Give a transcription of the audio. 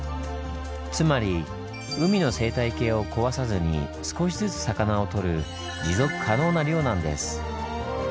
つまり海の生態系を壊さずに少しずつ魚をとる持続可能な漁なんです。